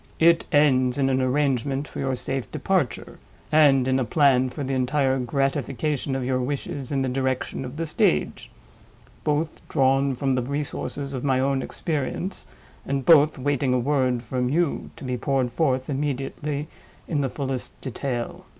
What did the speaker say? "It ends in an arrangement for your safe departure, and in a plan for the entire gratification of your wishes in the direction of the stage. Both drawn from the resources of my own experience, and both waiting a word from you, to be poured forth immediately in the fullest detail."